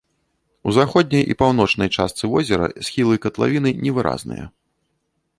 У заходняй і паўночнай частцы возера схілы катлавіны невыразныя.